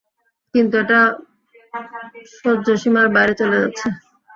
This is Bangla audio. কিন্তু এটা সহ্যসীমার বাইরে চলে যাচ্ছে।